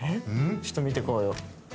ちょっと見ていこうよ。